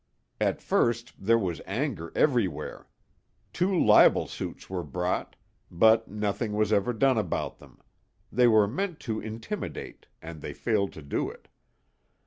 At first there was anger everywhere. Two libel suits were brought, but nothing was ever done about them; they were meant to intimidate, and they failed to do it.